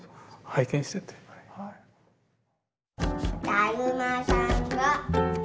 「だるまさんが」。